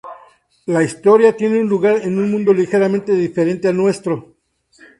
La historia tiene lugar en un mundo ligeramente diferente al nuestro.